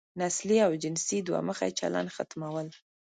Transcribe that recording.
نسلي او جنسي دوه مخی چلن ختمول.